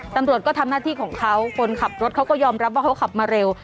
ตำรวจก็ทำหน้าที่ของเขาคนขับรถเขาก็ยอมรับว่าเขาขับมาเร็ว